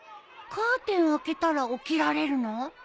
カーテン開けたら起きられるの？